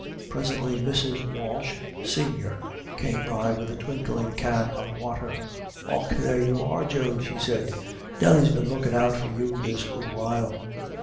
Presently Mrs. Walsh, senior, came by with a twinkling can of water. "Och, there you are, Joe," she said: "Nelly's been lookin' out for you this good while."